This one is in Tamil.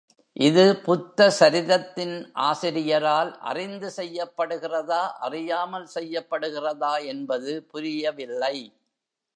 இது புத்த சரிதத்தின் ஆசிரியரால் அறிந்து செய்யப்படுகிறதா, அறியாமல் செய்யப்படுகிறதா என்பது புரியவில்லை.